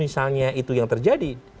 misalnya itu yang terjadi